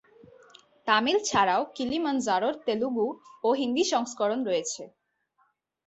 তামিল ছাড়াও "কিলিমানজারো"র তেলুগু ও হিন্দি সংস্করণ রয়েছে।